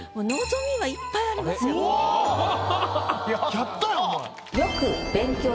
やったやんお前。